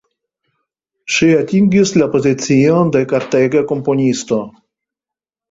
Ŝi atingis la pozicion de kortega komponisto.